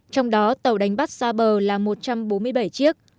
trong đó tàu đánh bắt xa bờ là một trăm bốn mươi bảy chiếc